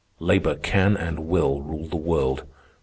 Labor can and will rule the world.